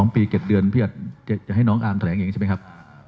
๒ปี๗เดือนพี่อาจจะให้น้องอาร์มแถลงเองใช่ไหมครับ